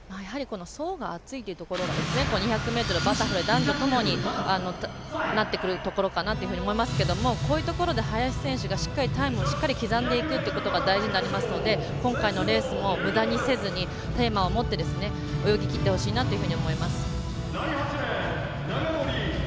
層が厚いというところが２００ｍバタフライ男女ともになってくるところかなと思いますけどもこういうところで林選手がタイムを刻んでいくというところが大事になっていくと思いますので今回のレースもむだにせずに、テーマを持って泳ぎきってほしいなと思います。